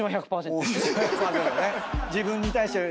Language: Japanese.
自分に対してね。